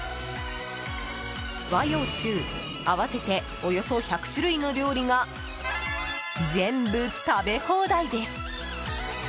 和洋中合わせておよそ１００種類の料理が全部食べ放題です！